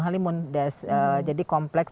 halimun jadi kompleks